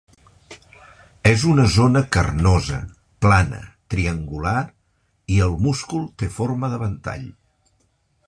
És una zona carnosa, plana, triangular, i el múscul té forma de ventall.